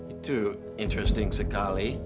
itu menarik sekali